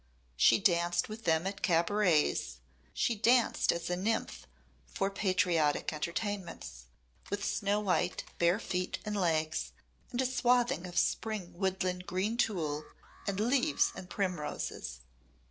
She danced with them at cabarets; she danced as a nymph for patriotic entertainments, with snow white bare feet and legs and a swathing of Spring woodland green tulle and leaves and primroses.